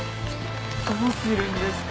どうするんですか？